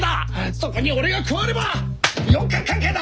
そこに俺が加われば四角関係だ！